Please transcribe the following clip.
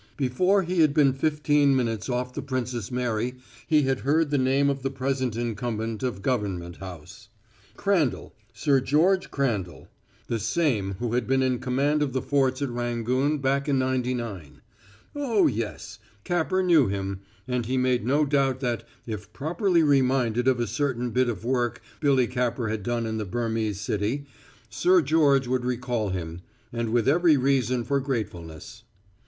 Before he had been fifteen minutes off the Princess Mary he had heard the name of the present incumbent of Government House. Crandall Sir George Crandall; the same who had been in command of the forts at Rangoon back in '99. Oh, yes, Capper knew him, and he made no doubt that, if properly reminded of a certain bit of work Billy Capper had done back in the Burmese city, Sir George would recall him and with every reason for gratefulness.